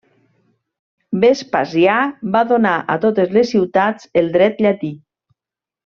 Vespasià va donar a totes les ciutats el dret llatí.